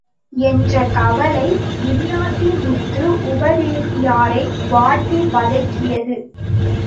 என்ற கவலை இன்னாசிமுத்து உபதேசியாரை வாட்டி வதக்கியது.